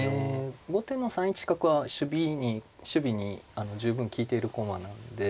後手の３一角は守備に十分利いている駒なんで。